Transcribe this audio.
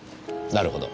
なるほど。